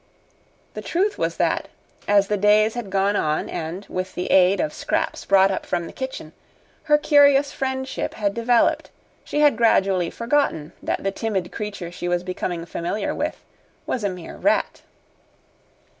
The truth was that, as the days had gone on and, with the aid of scraps brought up from the kitchen, her curious friendship had developed, she had gradually forgotten that the timid creature she was becoming familiar with was a mere rat.